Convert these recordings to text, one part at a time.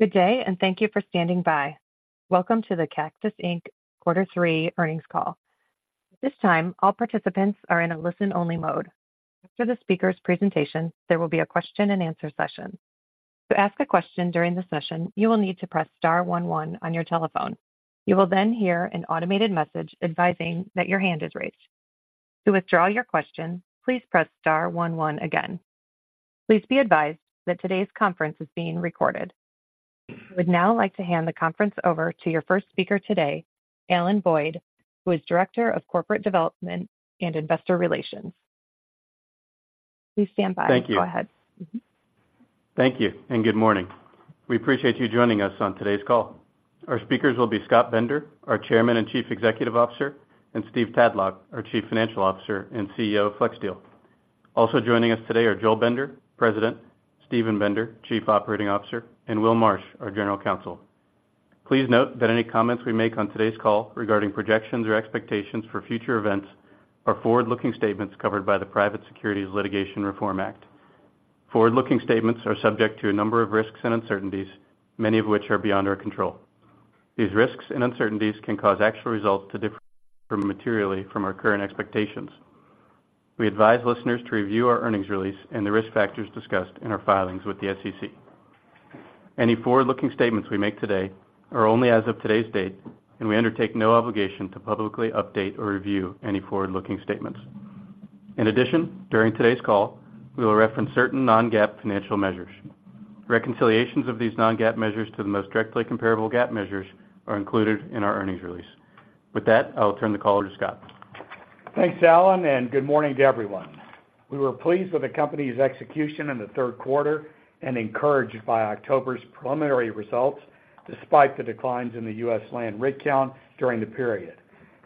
Good day, and thank you for standing by. Welcome to the Cactus, Inc. Q3 earnings call. At this time, all participants are in a listen-only mode. After the speaker's presentation, there will be a question-and-answer session. To ask a question during the session, you will need to press star one one on your telephone. You will then hear an automated message advising that your hand is raised. To withdraw your question, please press star one one again. Please be advised that today's conference is being recorded. I would now like to hand the conference over to your first speaker today, Alan Boyd, who is Director of Corporate Development and Investor Relations. Please stand by. Go ahead. Thank you. Thank you, and good morning. We appreciate you joining us on today's call. Our speakers will be Scott Bender, our Chairman and Chief Executive Officer, and Steve Tadlock, our Chief Financial Officer and CEO of FlexSteel. Also joining us today are Joel Bender, President, Steven Bender, Chief Operating Officer, and Will Marsh, our General Counsel. Please note that any comments we make on today's call regarding projections or expectations for future events are forward-looking statements covered by the Private Securities Litigation Reform Act. Forward-looking statements are subject to a number of risks and uncertainties, many of which are beyond our control. These risks and uncertainties can cause actual results to differ materially from our current expectations. We advise listeners to review our earnings release and the risk factors discussed in our filings with the SEC. Any forward-looking statements we make today are only as of today's date, and we undertake no obligation to publicly update or review any forward-looking statements. In addition, during today's call, we will reference certain non-GAAP financial measures. Reconciliations of these non-GAAP measures to the most directly comparable GAAP measures are included in our earnings release. With that, I'll turn the call over to Scott. Thanks, Alan, and good morning to everyone. We were pleased with the company's execution in the third quarter and encouraged by October's preliminary results, despite the declines in the U.S. land rig count during the period.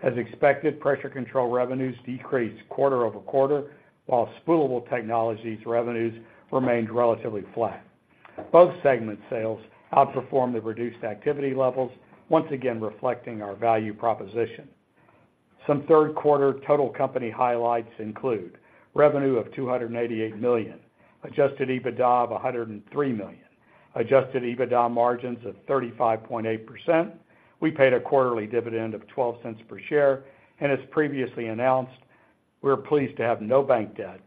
As expected, Pressure Control revenues decreased quarter-over-quarter, while Spoolable Technologies revenues remained relatively flat. Both segment sales outperformed the reduced activity levels, once again reflecting our value proposition. Some third quarter total company highlights include: revenue of $288 million, Adjusted EBITDA of $103 million, Adjusted EBITDA margins of 35.8%. We paid a quarterly dividend of $0.12 per share, and as previously announced, we're pleased to have no bank debt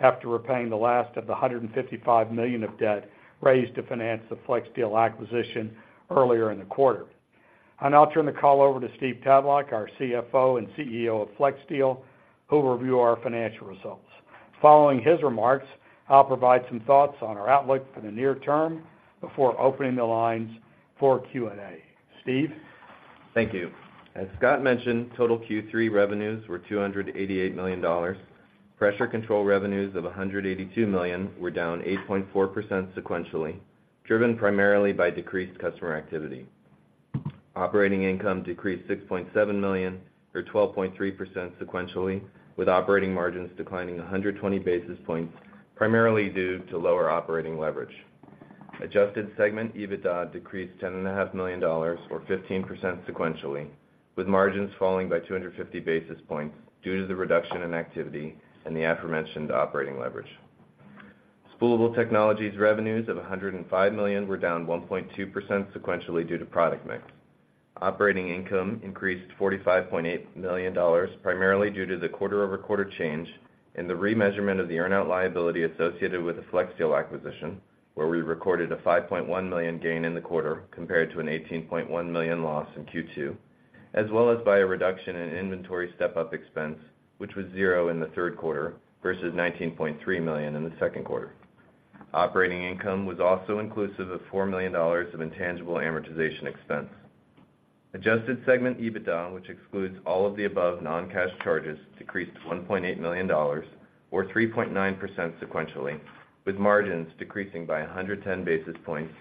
after repaying the last of the $155 million of debt raised to finance the FlexSteel acquisition earlier in the quarter. I'll now turn the call over to Steve Tadlock, our CFO and CEO of FlexSteel, who will review our financial results. Following his remarks, I'll provide some thoughts on our outlook for the near term before opening the lines for Q&A. Steve? Thank you. As Scott mentioned, total Q3 revenues were $288 million. Pressure Control revenues of $182 million were down 8.4% sequentially, driven primarily by decreased customer activity. Operating income decreased $6.7 million, or 12.3% sequentially, with operating margins declining 120 basis points, primarily due to lower operating leverage. Adjusted segment EBITDA decreased $10.5 million or 15% sequentially, with margins falling by 250 basis points due to the reduction in activity and the aforementioned operating leverage. Spoolable Technologies revenues of $105 million were down 1.2% sequentially due to product mix. Operating income increased $45.8 million, primarily due to the quarter-over-quarter change in the remeasurement of the earn-out liability associated with the FlexSteel acquisition, where we recorded a $5.1 million gain in the quarter compared to an $18.1 million loss in Q2, as well as by a reduction in inventory step-up expense, which was zero in the third quarter versus $19.3 million in the second quarter. Operating income was also inclusive of $4 million of intangible amortization expense. Adjusted segment EBITDA, which excludes all of the above non-cash charges, decreased $1.8 million or 3.9% sequentially, with margins decreasing by 110 basis points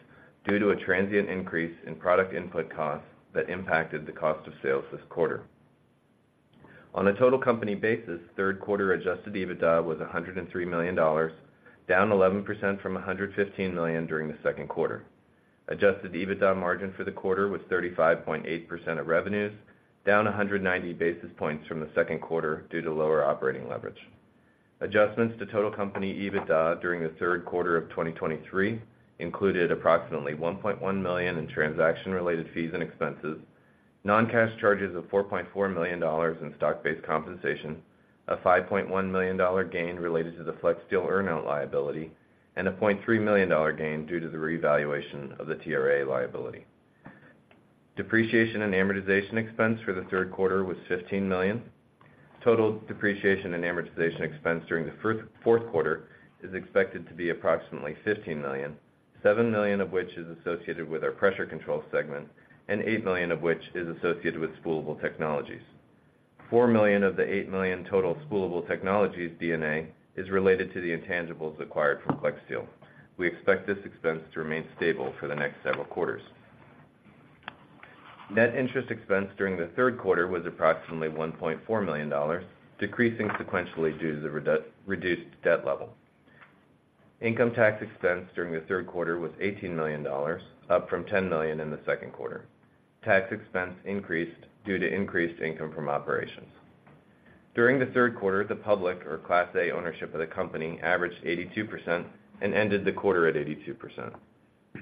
due to a transient increase in product input costs that impacted the cost of sales this quarter. On a total company basis, third quarter Adjusted EBITDA was $103 million, down 11% from $115 million during the second quarter. Adjusted EBITDA margin for the quarter was 35.8% of revenues, down 190 basis points from the second quarter due to lower operating leverage. Adjustments to total company EBITDA during the third quarter of 2023 included approximately $1.1 million in transaction-related fees and expenses, non-cash charges of $4.4 million in stock-based compensation, a $5.1 million gain related to the FlexSteel earn-out liability, and a $0.3 million gain due to the revaluation of the TRA liability. Depreciation and amortization expense for the third quarter was $15 million. Total depreciation and amortization expense during the fourth quarter is expected to be approximately $15 million, $7 million of which is associated with our Pressure Control segment and $8 million of which is associated with Spoolable Technologies. $4 million of the $8 million total Spoolable Technologies D&A is related to the intangibles acquired from FlexSteel. We expect this expense to remain stable for the next several quarters. Net interest expense during the third quarter was approximately $1.4 million, decreasing sequentially due to the reduced debt level. Income tax expense during the third quarter was $18 million, up from $10 million in the second quarter. Tax expense increased due to increased income from operations. During the third quarter, the public or Class A ownership of the company averaged 82% and ended the quarter at 82%.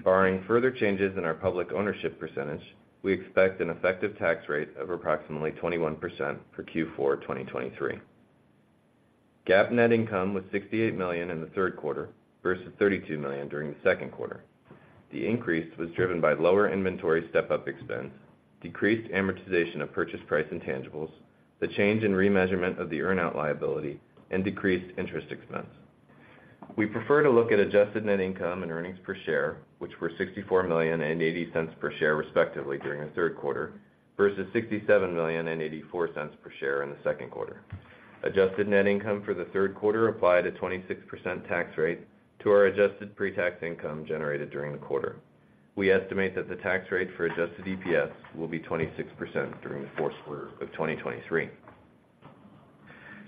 Barring further changes in our public ownership percentage, we expect an effective tax rate of approximately 21% for Q4 2023. GAAP net income was $68 million in the third quarter versus $32 million during the second quarter. The increase was driven by lower inventory step-up expense, decreased amortization of purchase price intangibles, the change in remeasurement of the earn-out liability, and decreased interest expense. We prefer to look at adjusted net income and earnings per share, which were $64 million and $0.80 per share, respectively, during the third quarter, versus $67 million and $0.84 per share in the second quarter. Adjusted net income for the third quarter applied a 26% tax rate to our adjusted pre-tax income generated during the quarter. We estimate that the tax rate for Adjusted EPS will be 26% during the fourth quarter of 2023.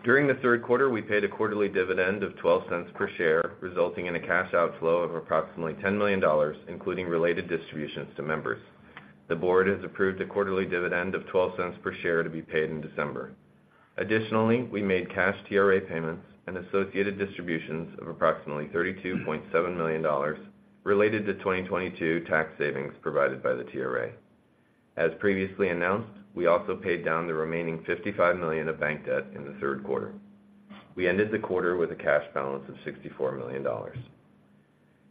During the third quarter, we paid a quarterly dividend of 12 cents per share, resulting in a cash outflow of approximately $10 million, including related distributions to members. The board has approved a quarterly dividend of 12 cents per share to be paid in December. Additionally, we made cash TRA payments and associated distributions of approximately $32.7 million related to 2022 tax savings provided by the TRA. As previously announced, we also paid down the remaining $55 million of bank debt in the third quarter. We ended the quarter with a cash balance of $64 million.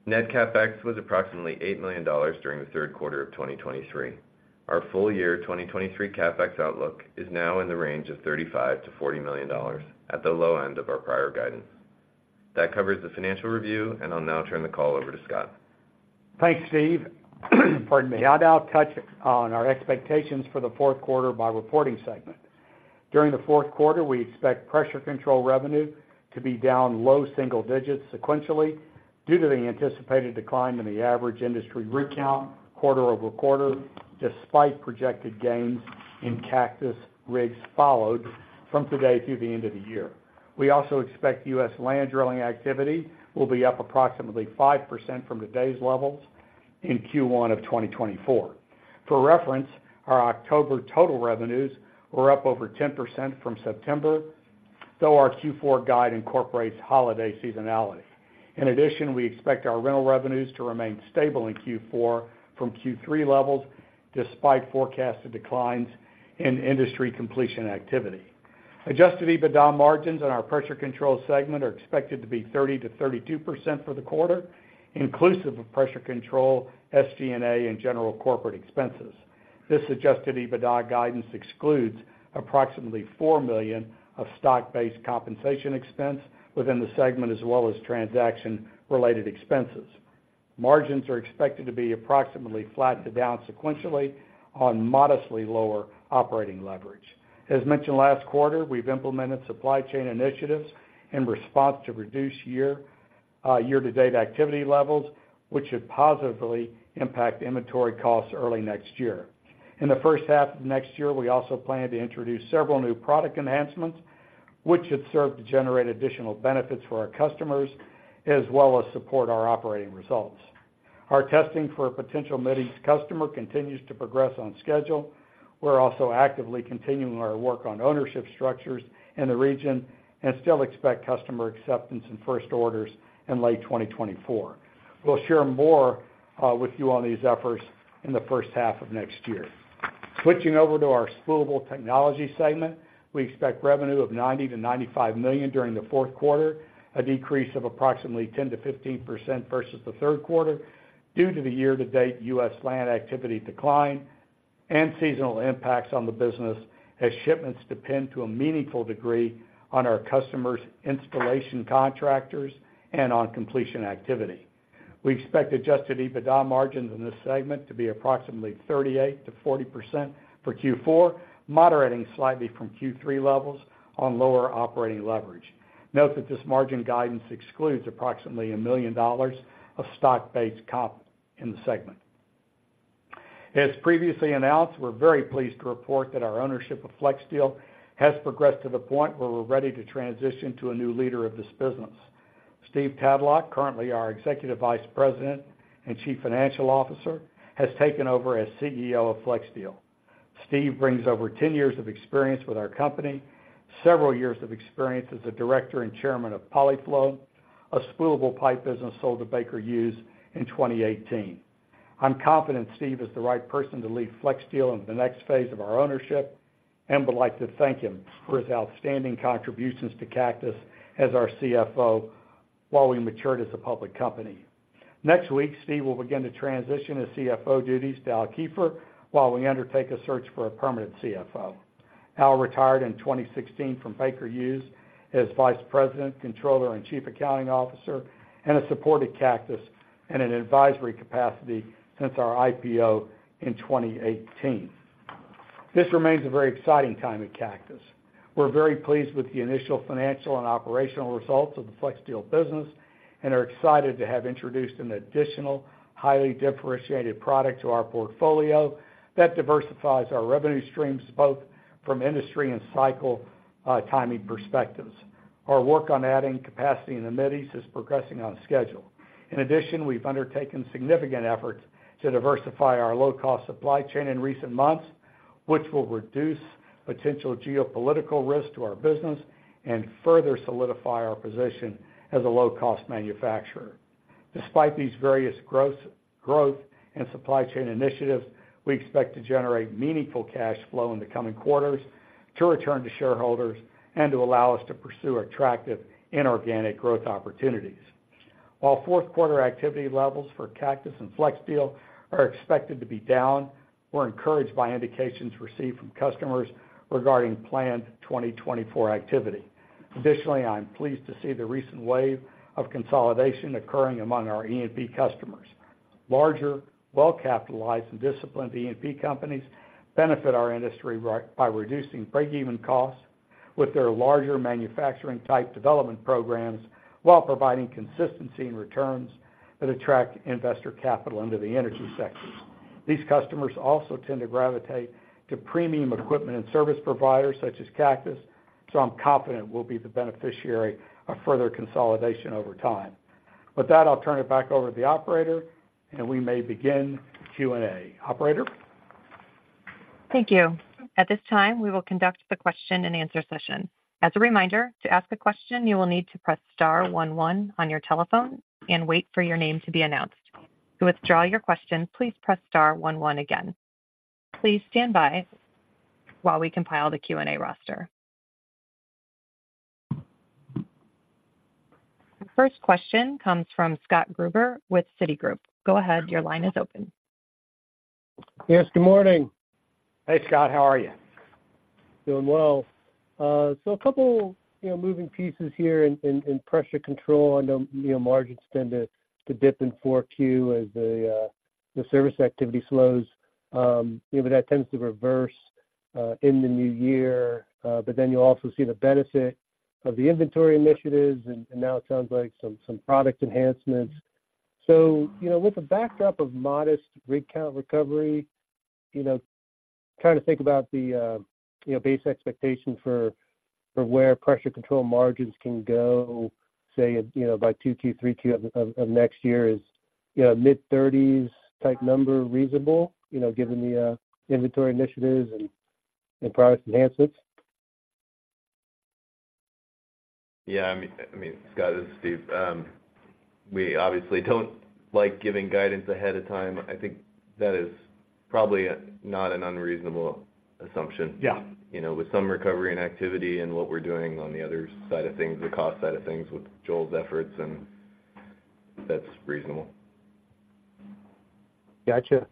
Net CapEx was approximately $8 million during the third quarter of 2023. Our full year 2023 CapEx outlook is now in the range of $35 million-$40 million at the low end of our prior guidance. That covers the financial review, and I'll now turn the call over to Scott. Thanks, Steve. Pardon me. I'll now touch on our expectations for the fourth quarter by reporting segment. During the fourth quarter, we expect Pressure Control revenue to be down low single digits sequentially, due to the anticipated decline in the average industry rig count quarter-over-quarter, despite projected gains in Cactus rigs followed from today through the end of the year. We also expect U.S. land drilling activity will be up approximately 5% from today's levels in Q1 of 2024. For reference, our October total revenues were up over 10% from September, though our Q4 guide incorporates holiday seasonality. In addition, we expect our rental revenues to remain stable in Q4 from Q3 levels, despite forecasted declines in industry completion activity. Adjusted EBITDA margins on our Pressure Control segment are expected to be 30%-32% for the quarter, inclusive of Pressure Control, SG&A, and general corporate expenses. This Adjusted EBITDA guidance excludes approximately $4 million of stock-based compensation expense within the segment, as well as transaction-related expenses. Margins are expected to be approximately flat to down sequentially on modestly lower operating leverage. As mentioned last quarter, we've implemented supply chain initiatives in response to reduced year, year-to-date activity levels, which should positively impact inventory costs early next year. In the first half of next year, we also plan to introduce several new product enhancements, which should serve to generate additional benefits for our customers, as well as support our operating results. Our testing for a potential Middle East customer continues to progress on schedule. We're also actively continuing our work on ownership structures in the region and still expect customer acceptance and first orders in late 2024. We'll share more with you on these efforts in the first half of next year. Switching over to our Spoolable Technologies segment, we expect revenue of $90 million-$95 million during the fourth quarter, a decrease of approximately 10%-15% versus the third quarter, due to the year-to-date U.S. land activity decline and seasonal impacts on the business, as shipments depend to a meaningful degree on our customers' installation contractors and on completion activity. We expect Adjusted EBITDA margins in this segment to be approximately 38%-40% for Q4, moderating slightly from Q3 levels on lower operating leverage. Note that this margin guidance excludes approximately $1 million of stock-based comp in the segment. As previously announced, we're very pleased to report that our ownership of FlexSteel has progressed to the point where we're ready to transition to a new leader of this business. Steve Tadlock, currently our Executive Vice President and Chief Financial Officer, has taken over as CEO of FlexSteel. Steve brings over 10 years of experience with our company, several years of experience as a director and chairman of Polyflow, a spoolable pipe business sold to Baker Hughes in 2018. I'm confident Steve is the right person to lead FlexSteel in the next phase of our ownership and would like to thank him for his outstanding contributions to Cactus as our CFO while we matured as a public company. Next week, Steve will begin to transition his CFO duties to Al Kiefer while we undertake a search for a permanent CFO. Al retired in 2016 from Baker Hughes as Vice President, Controller, and Chief Accounting Officer, and has supported Cactus in an advisory capacity since our IPO in 2018. This remains a very exciting time at Cactus. We're very pleased with the initial financial and operational results of the FlexSteel business and are excited to have introduced an additional highly differentiated product to our portfolio that diversifies our revenue streams, both from industry and cycle, timing perspectives. Our work on adding capacity in the Middle East is progressing on schedule. In addition, we've undertaken significant efforts to diversify our low-cost supply chain in recent months, which will reduce potential geopolitical risk to our business and further solidify our position as a low-cost manufacturer. Despite these various growth and supply chain initiatives, we expect to generate meaningful cash flow in the coming quarters to return to shareholders and to allow us to pursue attractive inorganic growth opportunities. While fourth quarter activity levels for Cactus and FlexSteel are expected to be down, we're encouraged by indications received from customers regarding planned 2024 activity. Additionally, I'm pleased to see the recent wave of consolidation occurring among our E&P customers. Larger, well-capitalized, and disciplined E&P companies benefit our industry by reducing break-even costs with their larger manufacturing-type development programs, while providing consistency in returns that attract investor capital into the energy sector. These customers also tend to gravitate to premium equipment and service providers such as Cactus, so I'm confident we'll be the beneficiary of further consolidation over time. With that, I'll turn it back over to the operator, and we may begin the Q&A. Operator? Thank you. At this time, we will conduct the question-and-answer session. As a reminder, to ask a question, you will need to press star one one on your telephone and wait for your name to be announced. To withdraw your question, please press star one one again. Please stand by while we compile the Q&A roster. The first question comes from Scott Gruber with Citigroup. Go ahead, your line is open. Yes, good morning. Hey, Scott, how are you? Doing well. So a couple, you know, moving pieces here in pressure control. I know, you know, margins tend to dip in 4Q as the service activity slows. Even that tends to reverse in the new year, but then you also see the benefit of the inventory initiatives, and now it sounds like some product enhancements. So, you know, with a backdrop of modest rig count recovery, you know, trying to think about the base expectation for where pressure control margins can go, say, you know, by 2Q, 3Q of next year, is, you know, mid-30s type number reasonable, you know, given the inventory initiatives and product enhancements? Yeah, I mean, Scott, this is Steve. We obviously don't like giving guidance ahead of time. I think that is probably not an unreasonable assumption. Yeah. You know, with some recovery and activity and what we're doing on the other side of things, the cost side of things, with Joel's efforts, and that's reasonable. Gotcha.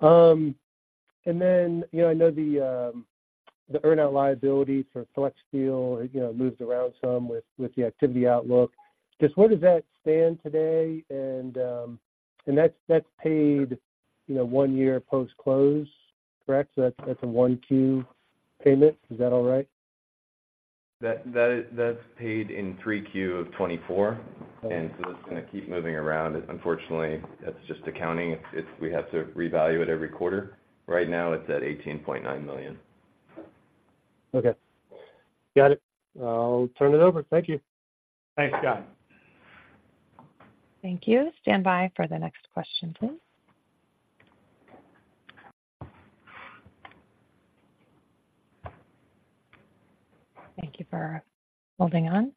And then, you know, I know the earn-out liability for FlexSteel, you know, moves around some with the activity outlook. Just where does that stand today? And that's paid, you know, one year post-close, correct? So that's a 1Q payment. Is that all right? That is, that's paid in 3Q of 2024. Okay. And so it's gonna keep moving around. Unfortunately, that's just accounting. It's, it's we have to revalue it every quarter. Right now, it's at $18.9 million. Okay. Got it. I'll turn it over. Thank you. Thanks, Scott. Thank you. Stand by for the next question, please. Thank you for holding on.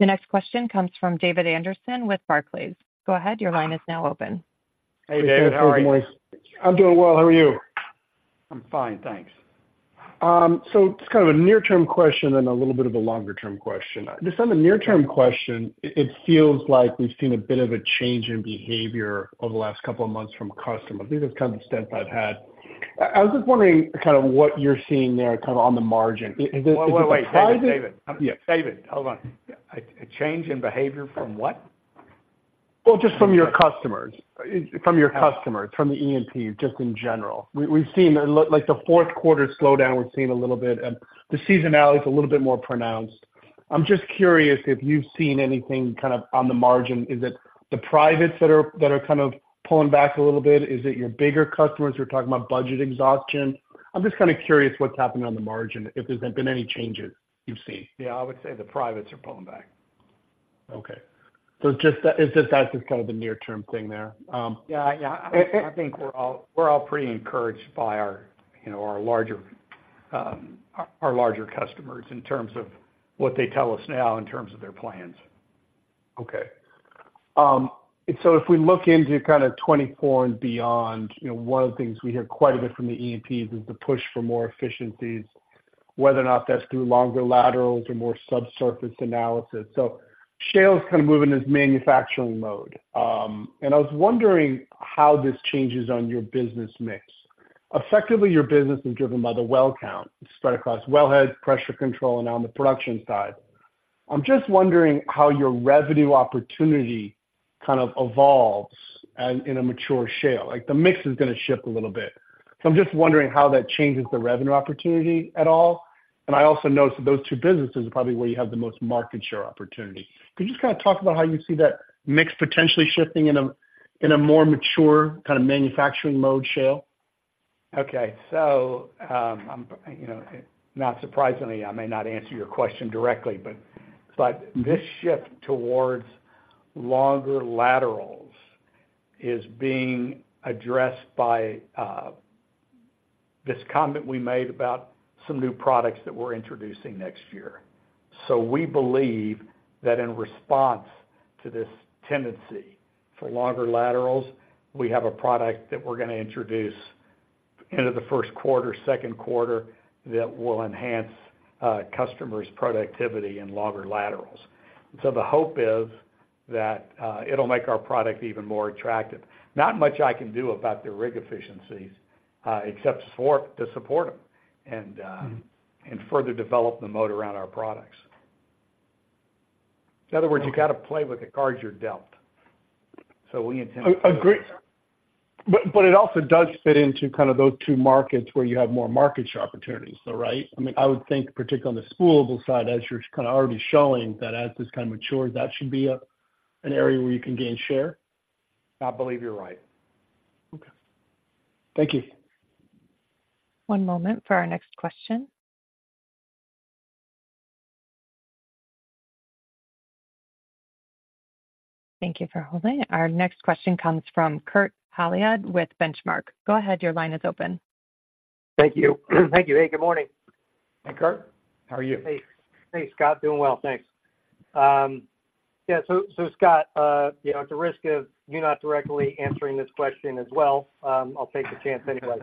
The next question comes from David Anderson with Barclays. Go ahead. Your line is now open. Hey, David. How are you? I'm doing well. How are you? I'm fine, thanks. So just kind of a near-term question and a little bit of a longer-term question. Just on the near-term question, it feels like we've seen a bit of a change in behavior over the last couple of months from customers. I think that's kind of the sense I've had. I was just wondering kind of what you're seeing there, kind of on the margin. Is it. Wait, wait, wait, David. Yeah. David, hold on. A change in behavior from what? Well, just from your customers. From your customers, from the E&P, just in general. We've seen, like, the fourth quarter slowdown, we've seen a little bit, and the seasonality is a little bit more pronounced. I'm just curious if you've seen anything kind of on the margin. Is it the privates that are, that are kind of pulling back a little bit? Is it your bigger customers who are talking about budget exhaustion? I'm just kind of curious what's happening on the margin, if there's been any changes you've seen. Yeah, I would say the privates are pulling back. Okay. So just that. It's just that's just kind of the near-term thing there? Yeah, yeah. I think we're all pretty encouraged by our larger, you know, customers in terms of what they tell us now in terms of their plans. Okay. So if we look into kind of 2024 and beyond, you know, one of the things we hear quite a bit from the E&Ps is the push for more efficiencies, whether or not that's through longer laterals or more subsurface analysis. So shale is kind of moving into manufacturing mode. And I was wondering how this changes on your business mix. Effectively, your business is driven by the well count, spread across wellhead, pressure control, and on the production side. I'm just wondering how your revenue opportunity kind of evolves in, in a mature shale. Like, the mix is gonna shift a little bit. So I'm just wondering how that changes the revenue opportunity at all. And I also noticed that those two businesses are probably where you have the most market share opportunity. Can you just kind of talk about how you see that mix potentially shifting in a more mature kind of manufacturing mode shale? Okay, so, I'm, you know, not surprisingly, I may not answer your question directly, but, but this shift towards longer laterals is being addressed by this comment we made about some new products that we're introducing next year. So we believe that in response to this tendency for longer laterals, we have a product that we're gonna introduce into the first quarter, second quarter, that will enhance customers' productivity in longer laterals. So the hope is that it'll make our product even more attractive. Not much I can do about the rig efficiencies, except to support them and further develop the moat around our products. In other words, you gotta play with the cards you're dealt. So we intend to. I agree. But, it also does fit into kind of those two markets where you have more market share opportunities, though, right? I mean, I would think, particularly on the spoolable side, as you're kind of already showing, that as this kind of matures, that should be an area where you can gain share. I believe you're right. Okay. Thank you. One moment for our next question. Thank you for holding. Our next question comes from Kurt Hallead with Benchmark. Go ahead, your line is open. Thank you. Thank you. Hey, good morning. Hi, Kurt. How are you? Hey. Hey, Scott, doing well, thanks. Yeah, so, so Scott, you know, at the risk of you not directly answering this question as well, I'll take the chance anyway.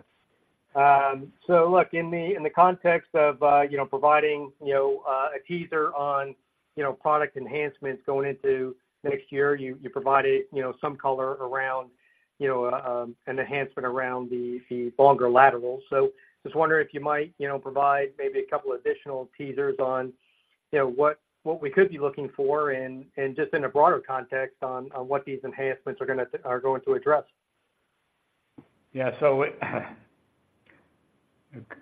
So look, in the, in the context of, you know, providing, you know, a teaser on, you know, product enhancements going into next year, you, you provided, you know, some color around, you know, an enhancement around the, the longer laterals. So just wondering if you might, you know, provide maybe a couple additional teasers on, you know, what, what we could be looking for and, and just in a broader context on, on what these enhancements are gonna, are going to address. Yeah, so,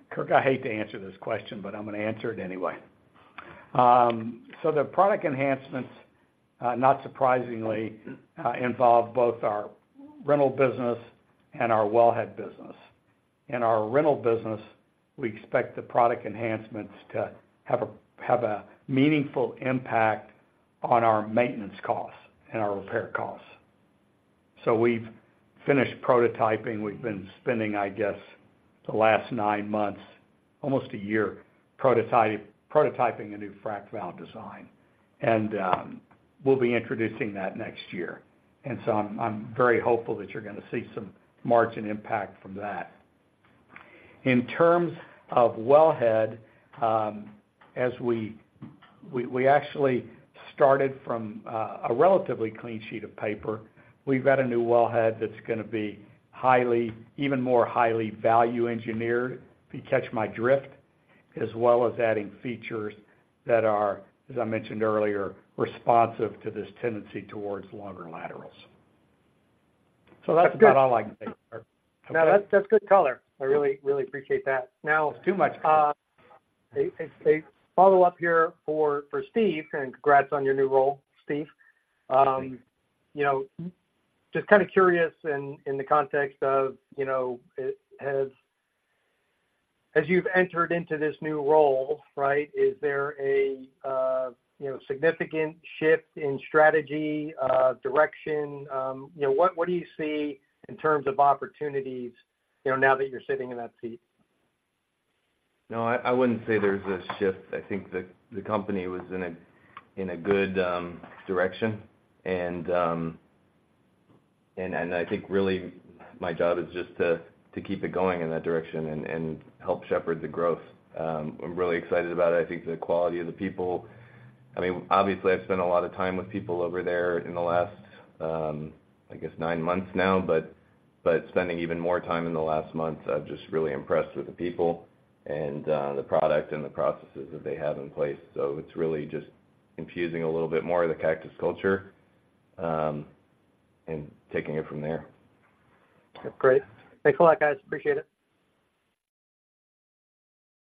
Kurt, I hate to answer this question, but I'm gonna answer it anyway. So the product enhancements, not surprisingly, involve both our rental business and our wellhead business. In our rental business, we expect the product enhancements to have a meaningful impact on our maintenance costs and our repair costs. So we've finished prototyping. We've been spending, I guess, the last 9 months, almost a year, prototyping a new frac valve design, and we'll be introducing that next year. And so I'm very hopeful that you're gonna see some margin impact from that. In terms of wellhead, as we actually started from a relatively clean sheet of paper. We've got a new wellhead that's gonna be highly, even more highly value engineered, if you catch my drift, as well as adding features that are, as I mentioned earlier, responsive to this tendency towards longer laterals. That's good. That's about all I can say, Kurt. No, that's, that's good color. I really, really appreciate that. Now, it's too much. A follow-up here for Steve, and congrats on your new role, Steve. You know, just kind of curious in the context of, you know, as you've entered into this new role, right, is there a you know, significant shift in strategy, direction? You know, what do you see in terms of opportunities, you know, now that you're sitting in that seat? No, I wouldn't say there's a shift. I think the company was in a good direction, and I think really my job is just to keep it going in that direction and help shepherd the growth. I'm really excited about it. I think the quality of the people. I mean, obviously, I've spent a lot of time with people over there in the last, I guess, nine months now. But spending even more time in the last month, I'm just really impressed with the people and the product and the processes that they have in place. So it's really just infusing a little bit more of the Cactus culture and taking it from there. Great. Thanks a lot, guys. Appreciate it.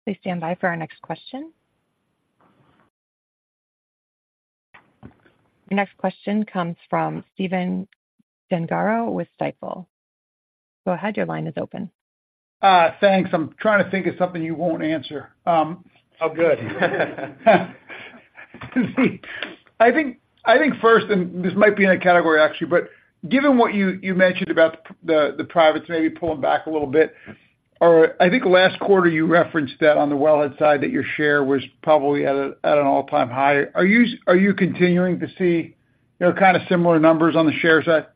Please stand by for our next question. Your next question comes from Stephen Gengaro with Stifel. Go ahead, your line is open. Thanks. I'm trying to think of something you won't answer. Oh, good. I think first, and this might be in that category, actually, but given what you mentioned about the privates maybe pulling back a little bit, or I think last quarter you referenced that on the wellhead side, that your share was probably at an all-time high. Are you continuing to see, you know, kind of similar numbers on the share side?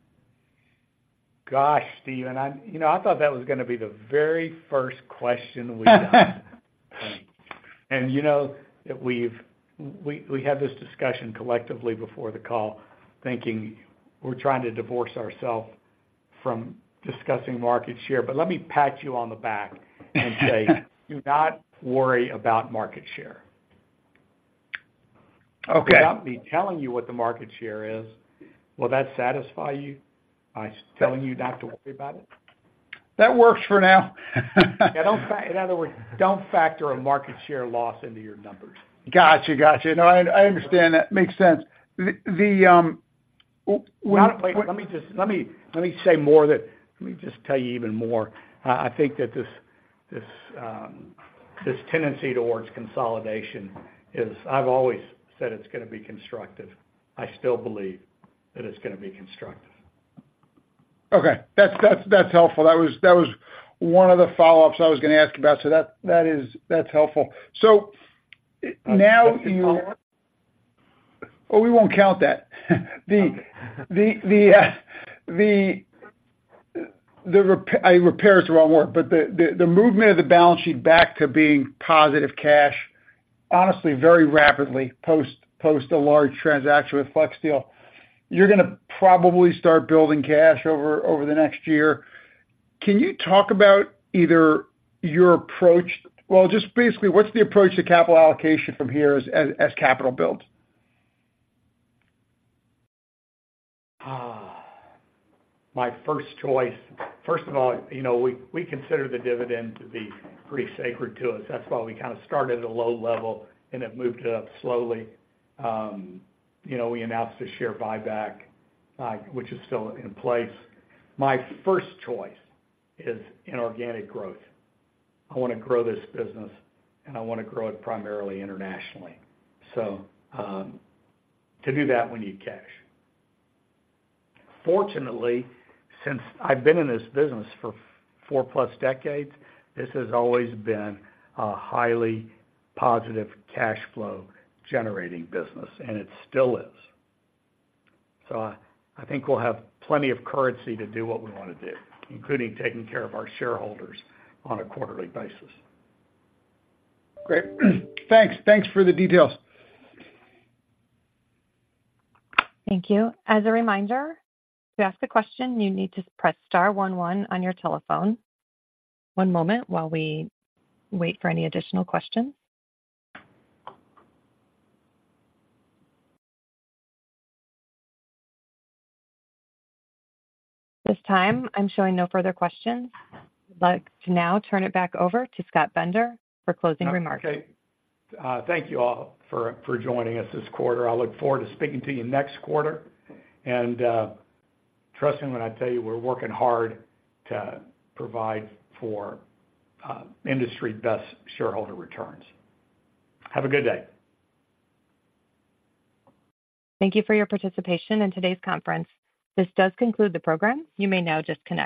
Gosh, Steven, you know, I thought that was gonna be the very first question we got. And, you know, we had this discussion collectively before the call, thinking we're trying to divorce ourselves from discussing market share, but let me pat you on the back and say, do not worry about market share. Okay. Without me telling you what the market share is, will that satisfy you, by telling you not to worry about it? That works for now. Yeah, don't factor—in other words, don't factor a market share loss into your numbers. Gotcha. Gotcha. No, I, I understand that. Makes sense. The. Well, wait, let me just say more that—let me just tell you even more. I think that this tendency towards consolidation is, I've always said it's gonna be constructive. I still believe that it's gonna be constructive. Okay, that's helpful. That was one of the follow-ups I was gonna ask about, so that is helpful. So now you. That's a follow-up? Oh, we won't count that. Okay. The repair is the wrong word, but the movement of the balance sheet back to being positive cash, honestly, very rapidly, post a large transaction with FlexSteel. You're gonna probably start building cash over the next year. Can you talk about either your approach. Well, just basically, what's the approach to capital allocation from here as capital builds? My first choice. First of all, you know, we, we consider the dividend to be pretty sacred to us. That's why we kind of started at a low level, and it moved up slowly. You know, we announced a share buyback, which is still in place. My first choice is inorganic growth. I wanna grow this business, and I wanna grow it primarily internationally. So, to do that, we need cash. Fortunately, since I've been in this business for four-plus decades, this has always been a highly positive cash flow generating business, and it still is. So I, I think we'll have plenty of currency to do what we wanna do, including taking care of our shareholders on a quarterly basis. Great. Thanks, thanks for the details. Thank you. As a reminder, to ask a question, you need to press star one one on your telephone. One moment while we wait for any additional questions. At this time, I'm showing no further questions. I'd like to now turn it back over to Scott Bender for closing remarks. Okay. Thank you all for joining us this quarter. I look forward to speaking to you next quarter. Trust me when I tell you, we're working hard to provide for industry-best shareholder returns. Have a good day. Thank you for your participation in today's conference. This does conclude the program. You may now disconnect.